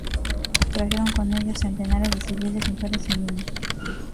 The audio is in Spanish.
Trajeron con ellos centenares de civiles, mujeres y niños.